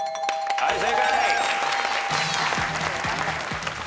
はい正解。